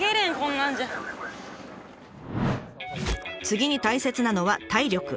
次に大切なのは「体力」。